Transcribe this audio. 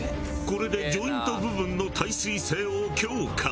これでジョイント部分の耐水性を強化。